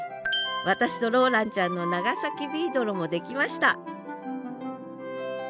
私とローランちゃんの長崎ビードロも出来ました